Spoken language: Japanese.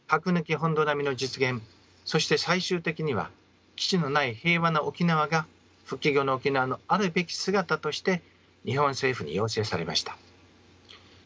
そして最終的には基地のない平和な沖縄が復帰後の沖縄のあるべき姿として日本政府に要請されました。